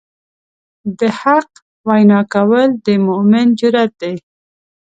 د حق وینا کول د مؤمن جرئت دی.